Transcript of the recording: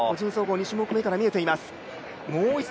２種目めから見えています